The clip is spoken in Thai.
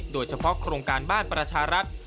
โดยเฉพาะโครงการบ้านประชารัฐ